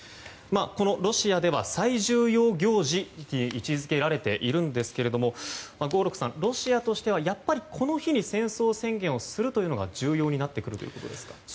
このロシアでは最重要行事と位置付けられているんですが合六さん、ロシアとしてはやっぱりこの日に戦争宣言をするというのが重要になってくるということですか？